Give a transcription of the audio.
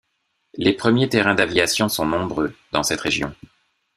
Les premiers terrains d'aviation sont nombreux, dans cette région.